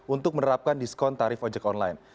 untuk menerapkan diskon tarif ojek online